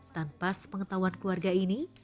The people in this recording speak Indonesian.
tanpa sepengetahuan keluarga ini